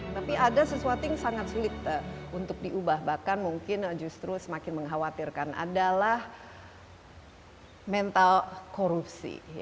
tapi ada sesuatu yang sangat sulit untuk diubah bahkan mungkin justru semakin mengkhawatirkan adalah mental korupsi